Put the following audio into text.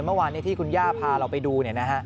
เมื่อวานที่คุณย่าพาเราไปดู